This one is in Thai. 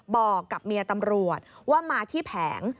บอกกับเมียตำรวจว่ามาที่แผง